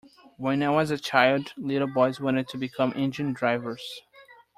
When I was a child, little boys wanted to become engine drivers.